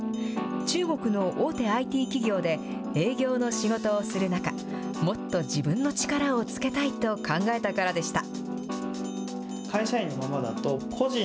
中国の大手ＩＴ企業で、営業の仕事をする中、もっと自分の力をつけたいと考えたからでした。